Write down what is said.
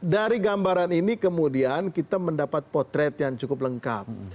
dari gambaran ini kemudian kita mendapat potret yang cukup lengkap